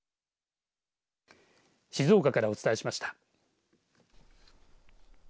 静岡からお伝えしました。